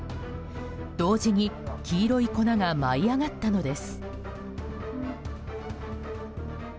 同時に黄色い粉が舞い上がったのです。